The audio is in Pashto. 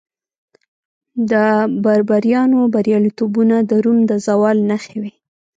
د بربریانو بریالیتوبونه د روم د زوال نښې وې